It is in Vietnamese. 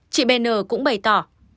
chị bn cũng bày tỏ